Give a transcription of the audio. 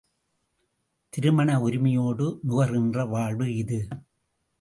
திருமண உரிமையோடு நுகர்கின்ற வாழ்வு இது.